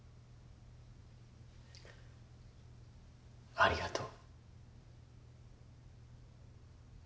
ありがとう。